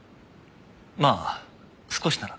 まあ少しなら。